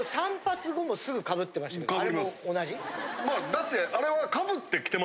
だってあれは。